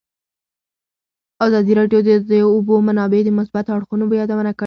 ازادي راډیو د د اوبو منابع د مثبتو اړخونو یادونه کړې.